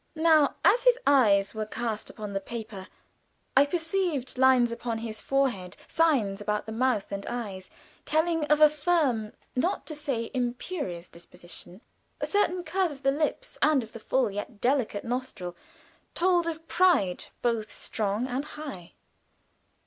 Now, as his eyes were cast upon the paper, I perceived lines upon his forehead, signs about the mouth and eyes telling of a firm, not to say imperious, disposition; a certain curve of the lips, and of the full, yet delicate nostril, told of pride both strong and high.